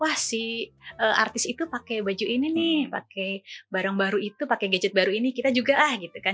wah si artis itu pakai baju ini nih pakai barang baru itu pakai gadget baru ini kita juga ah gitu kan